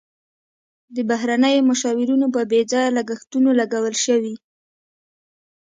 د بهرنیو مشاورینو په بې ځایه لګښتونو لګول شوي.